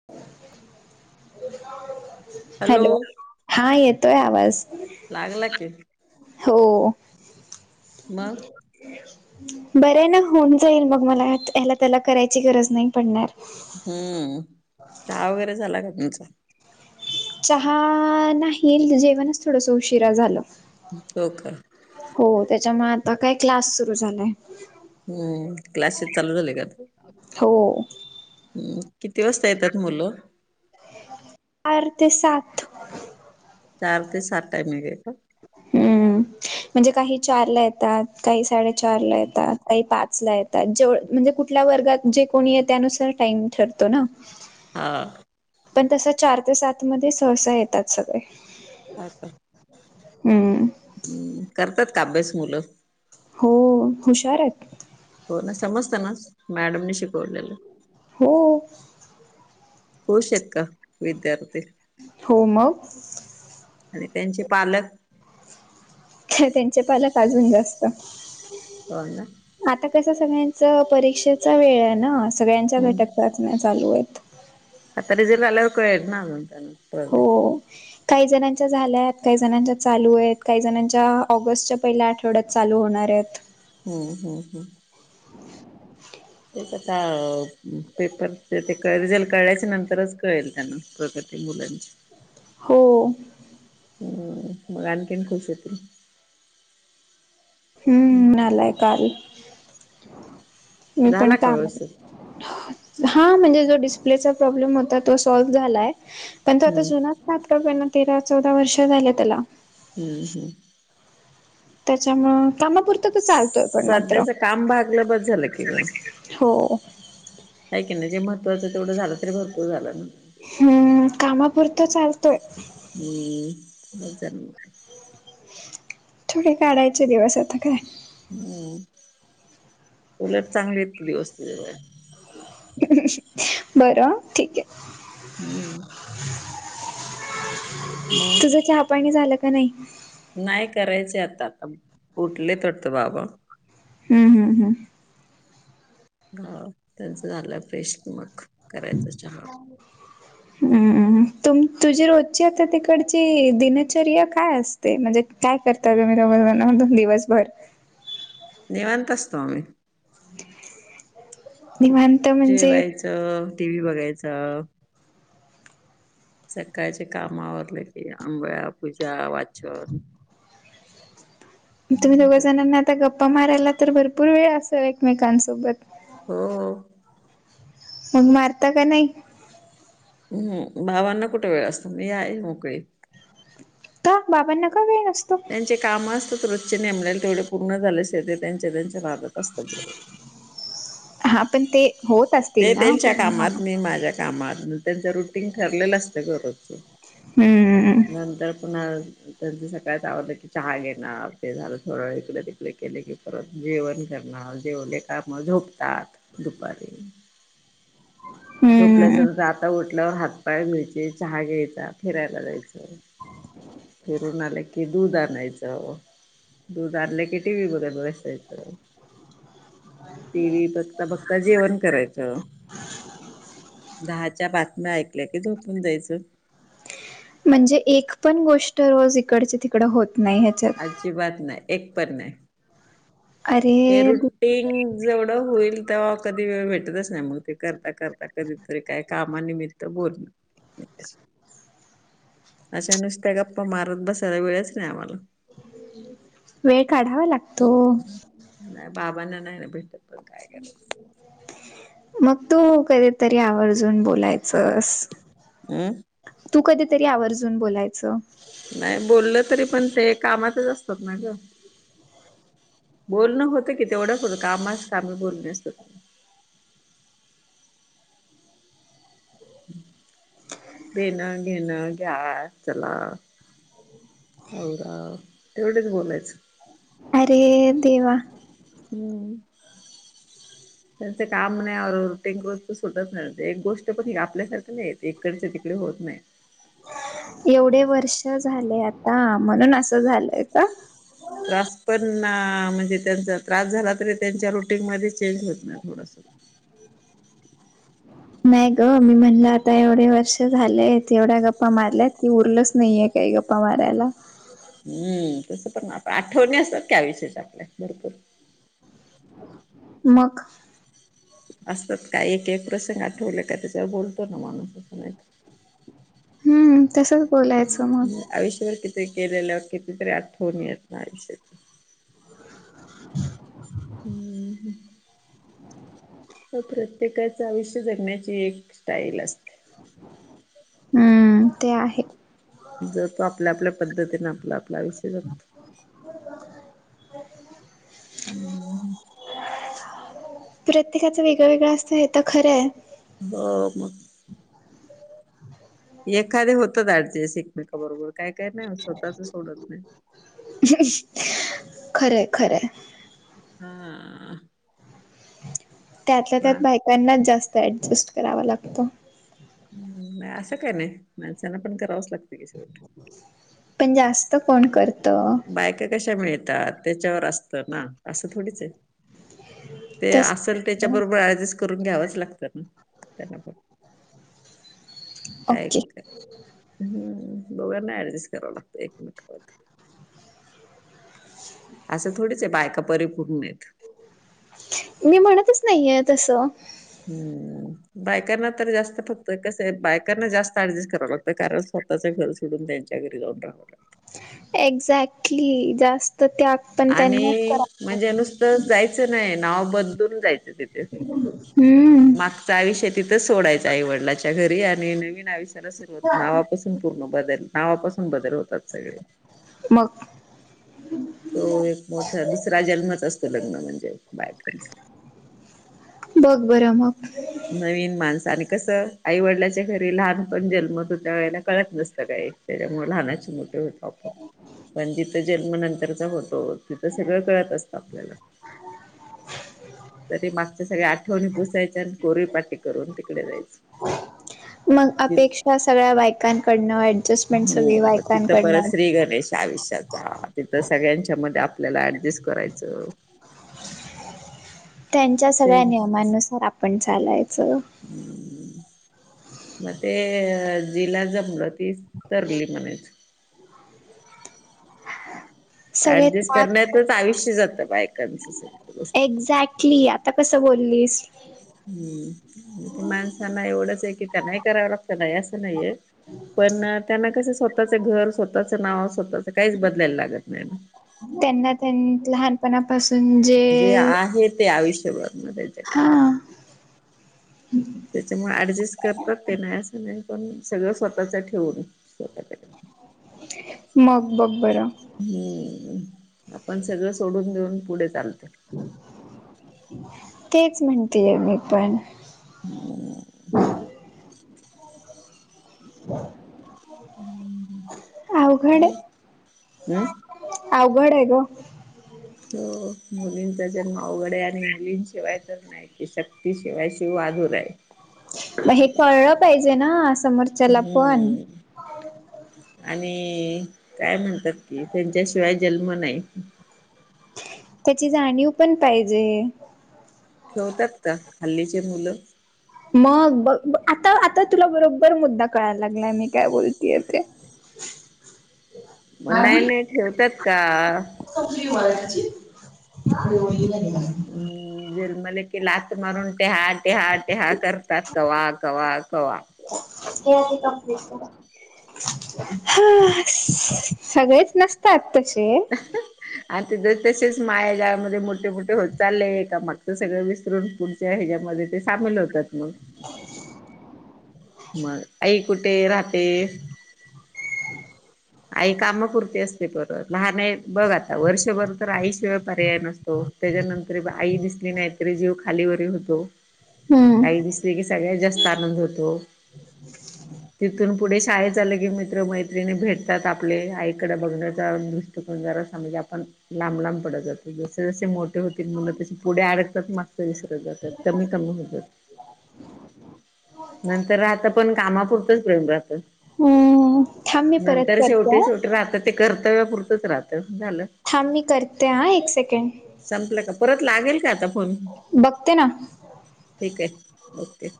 [inaudible] Hello, हां येतोय आवाज. लागला कि हो. मग? बरंय ना होऊन जाईल मग, मला ह्याला त्याला करायची गरज नाही पडणार. हम्म, चहा वगैरे झाला का तुमचा? चहा नाही, जेवणच थोडसं उशिरा झालं. हो का? हो, त्याच्या मुळं आता काय क्लास सुरू झालाय. हम्म, क्लाससेस चालू झाले का? हो. हम्म, किती वाजता येतात मुलं? चार ते सात. चार ते सात टायमिंग हाय काय? हम्म म्हणजे काही चार ला येतात, काही साडेचार ला येतात, काही पाच ला येत तात जे म्हणजे कुठल्या वर्गात जे कोणी आहे त्यानुसार टाईम ठरतो ना. हा. पण तस चार ते सात मध्ये सहसा येतात सगळे. हा का? हम्म. हम्म कर तात का अभ्यास मुलं? हो हुशार आहेत. हो ना समजत ना मॅडमनी शिकवलेलं. हो खुश आहेत का विद्यार्थी? हो मग आणि त्यांचे पालक? त्यांचे पालक अजून जास्त. हो ना. आता कस सगळ्यांच परीक्षेचा वेळ आहे ना सगळ्यांच्या हम्म घटक चाचण्या चालू आहेत. आता रिजल्ट लागल्यावर कळेल ना नंतरण. हो काही जणांच्या झाल्यात, काही जणांच्या चालू आहेत, काही जणांच्या ऑगस्ट च्या पहिल्या आठवड्यात चालू होणार आहेत. हम्म हम्म हम तेच ता पेपर ते रिजल्ट कळल्याच्या नंतरच कळेल त्यांना प्रगती मुलांची. हो. हम् मग आणखीन खुश होतील. हम्म आलाय काल. [inaudible] मी पण का कामा व्यवस्थित? हा म्हणजे जो डिस्प्लेचा प्रॉब्लेम होता तो सॉल्व्ह झालाय पण तो आता हम्म जुनाच लॅपटॉप आहे ना तेरा चौदा वर्ष झाले त्याला. हम् हम्. त्याच्यामूळं कामापुर ता तो चालतोय पण मात्र, सध्याच काम भागलं बस झालं की ग. हो. हाय कि नाही जे महत्वाचं तेवढं झालं तरी भरपूर झालं ना. हम्म कामापुरत चालतोय. हम्म बस झालं मग. थोडे काढायचे दिवस आता काय. हूम्म, उलट चांगले आहेत कि, दिवस तुझं. बरं ठीक ये. हुं. मग तुझं चहा पाणी झालं का नाही? नाही करायचे आता, आता उठलेत वाटत बाबा. हू हू हू. हा त्यांचं झालं, फ्रेश कि मग [inaudible] करायचं चहा. हू हू, तुम तुझी रोजची आता तिकडची दिनचर्या काय अस ते? म्हणजे काय करता तुम्ही दोघ दिवसभर? निवांत असतो आम्ही. निवांत. म्हणजे जेवायचं, टी व्ही बघायचा सकाळची काम आवरली की, आंघोळ्या, पूजा, वाचन मग तुम्ही दोघं जणांना आता गप्पा मारायला, तर भरपूर वेळ असल एकमेकांसोबत? हो. मग मारता का नाही? हुं. बाबांना कुठ वेळ असतो. मी आहे मोकळी. का बाबांना का वेळ नसतो? त्यांचे काम असतात, रोजचे नेमलेले तेवढे पूर्ण झाल्याशिवाय, ते त्यांच्या त्यांच्या नादात असतात बरोबर. हा पण ते होत असतील ते ना तेंच्या कामात, पूर्ण मी माझ्या कामात, मग त्यांचं रुटीन ठरलेलं असतं ग रोजच. ह [inaudible] नंतर मग त्यांच सकाळच आवरलं की, चहा घेणार ते झालं की, थोडा वेळ इकडे तिकडे केले की, परत जेवण करणार, जेवले का मग झोपतात दुपारी. हम्म झोपल्याच आता उठल्यावर हातपाय धुवायचे, चहा घ्यायचा, फिरायला जायचे. फिरुन आले की दूध आणायचं, दूध आणलं की, टीव्ही बघत बसायच. टीव्ही बघता बघता, जेवण करायचं. दहाच्या बातम्या ऐकल्या की, झोपून जायचं. म्हणजे एक पण गोष्ट, रोज इकडची तिकडं होत नाही ह्याच्यात. अजिबात नाही. एक पण नाही. हे अरे रुटीन जेवढं होईल तेव्हा, कधी वेळ भेटतच नाही मग ते. करता करता, कधीतरी काही कामानिमित्त बोलण अशा नुसत्या गप्पा मारत बसायला, वेळच नाही आम्हाला. वेळ काढावा लागतो. नाही बाबांना नाही ना भेटत, पण काय करायच. मग तू कधीतरी आवर्जून बोलाय चस. अं तू कधीतरी आवर्जून बोलायचं. नाही बोललं तरी पण, ते कामातच असतात ना गं. बोलणं होतं कि तेवढ्या पुरत, कामास काम बोलणे असत ते. पेन, घेणं, घ्या, चला. [unintelligible] आवरा तेवढंच बोलायचं. अरे देवा हम्मं त्यांचं काम नाही, रुटीन रोजचं सुटत नव्हते एक गोष्ट पण आपल्यासारखं नाहीेत इकडच तिकडे होत नाही. एवढे वर्ष झाले आता, म्हणून असं झालंय का? त्रास पण, ना म्हणजे त्येचा त्रास झाला तरी त्यांच्या रुटीनमध्ये चेंज होत नाही थोडस नाही गं मी म्हणलं आता एवढे वर्ष झालेत, एवढ्या गप्पा मारल्यात की उरलच नाहीय काही गप्पा मारायला हम्म, तस पण आठवणी असतात आयुष्यात आपल्या भरपूर मक असतात काय एक एक प्रसंग आठवले त्याच्यावर बोलतो ना माणूस अस नाही. हम्म तस आयुष्यभर कित्येक केलेल्या कितीतरी आठवणी येत ना आयुष्यात हम हम्मं [unintelligible] तसं प्रत्येकाच आयुष्य जगण्याची एक स्टाईल असते. हंम ते आहे जो तो आपल्या, आपल्या पद्धतीने आपलं आपलं आयुष्य जगतो. [unintelligible] हम्म्म्मम. प्रत्येकाचं वेगळ, वेगळ असत हे आता खर हाय बर मग एखादे होतच ऍडजस्ट एकमेका बरोबर काय काय नाही होत स्वतःच सोडत नाही. खर हाय, खर हाय [unintelligible] त्यातल्या वा त्यात बायकांना जास्त ऍडजस्ट करावा लागतो. नाही असं काय नाही, माणसांना पण करावंच लागते कि शेवट. पण जास्त कोण करतं बायका कशा मिळतात त्याच्यावर असतं ना, असं थोडीच हे. ते तस असेल त्याच्या बरोबर ऍडजस्ट करून घ्यावच लागतं ना, त्यांना पण. काय ओके [unintelligible] हम्म, दोघांना ऍडजस्ट कराव लागत एकमेकांबद्दल असं थोडीच हाय बायका परिपूर्ण हेत मी म्हणतच नाहीययं तसं. हम्म, बायकांना तर जास्त फक्त, कसं बायकांना जास्त ऍडजस्ट कराव लागत कारण तसे घर सोडून त्यांच्या घरी जाऊन राहावं लागतं एक्झॅक्टली जास्त त्याग पण त्यांनाच करावा लागतो. तर जायचं नायं, नाव बदलुन जायचं तिथे लागतो हम्म माथ ते आयुष्य तिथंच सोडायचं आईवडलाच्या घरी आणि नवीन आयुष्याला सुरुवात नाव असुन पूर्ण बदल, नावापासून बदल होतात सगळे. मक तो एक मोठा, दुसरा जन्मच असतो लग्न म्हणजे बायकाचं बघ बर मग. नवीन माणसांनी कसं, आईवडिलाच्या घरी लहानपण जन्मत होत त्या वेळेला कळत नसत काय, त्याच्यामुळे लहानाचे मोठे होतो आपण, जिथं जन्म नंतरचा होतो, तिथ सगळ कळत असत आपल्याला. तरी मागच्या सगळ्या आठवणी पुसायच्या अन परी पाटी करून तिकडे जायच की. त्या सगळ्या बायकांकडनं ऍडजस्टमेंट सगळी बायकांकडनं. त्या आयुष्याचा तिथं सगळ्यांच्या मध्ये आपल्याला ऍडजस्ट करायच. त्यांच्या ते सगळ्या नियमानुसार आपण चालायच. मध्ये जिल्हांचा प्रतिस. तरली मानायच. [unintelligible] ऍडजस्ट त्याग करण्यातच आयुष्य जात बायकांच सगळ्या गोष्टीत. क्ली आता कस बोललीस. हम्म ते माणसांना एवढंच आहे कि त्यांना ही कराव लागतं नाही असं नाहीये. पण त्यांना कस स्वतःचं घर स्वतःच नाव स्वतःच काहीच बदलायला लागत नाही ना. त्यांना त्यां लहानपणापासून. जे आहे ते आयुष्यभर ना त्याच्याकड. हम्म. त्याच्यामुळे ऍडजस्ट करतात ते नाही अस नाही पण सगळं स्वतःच ठेवून करतात ते. मग बघ बर. हम्म आपण सगळं सोडून देऊन पुढे चालतो‌. हम्म तेच म्हणते मी पण. हम्म अवघड हे. आवघड आहे ग. हो मुलींचा जन्म अवघड आहे, आणि मुलीं शिवाय तर नाही. शक्ती शिवाय, शिव अधुरा हाय. हे कळलं पाहिजे ना, समोरच्याला पण. हम्म आणि काय म्हणतात कि, त्यांच्याशिवाय जन्म नाही. त्याची जाणीव पण पाहिजे. ठेवतात का हल्लीचे मुलं. मग बघ, आता आता तुला बरोबर मुद्दा कळायला लागलाय मी काय बोलतीय ते. [inaudible] मग नाही नाही ठेवत्यात का? वाचओ [inaudible] हम जन्मल कि लात मारून तेहाट टहा, टहा करतात कवा्हा, कवा्हा, कवा्हा. हे आधी कम्प्लीट करा. हा सगळेच नसतात तसे. आणि ति ज तसेच मायाजाळामध्ये मोठे, मोठे. चाललय एका मागचं तर सगळं विसरून पुढचे ह्याच्यामध्ये ते सामील होतात मग. [inaudible] मग आई कुठे राहते. आई कामपुरती असते परत लहान आहे बघ आता, वर्षभर तर आईशिवाय पर्याय नसतो. त्याच्यानंतर, आई दिसली नाहीतरी जीव खालीवर होतो. हम्म आई दिसली की सगळ्यात जास्त आनंद होतो. [inaudible] तिथून पुढे शाळेत आलं की मित्र, मैत्रिणी भेट त्यात आपले आईकड बघण्याचा दृष्टिकोन जरा अस म्हणजे आपण लांब, लांब पडत जातो जसे जसे मोठ मोठी होतांत मुलं तसं पुढे अडकतांत, मागचं विसरतं जातांत कमी, कमी होतांत. नंतर रहितात. कामांपुरतच प्रेम राहतं. हम्म थांब मी परत नंतर करते शेवटी हा. शेवटी राहतं. ते कर्तव्यापुरतंच राहतं झालं. थांब मी करते हां करते एक सेकंड. संपलं कां, परंत लागेल कां आंता फोन. बघते नां. ठीक आहे, ओके.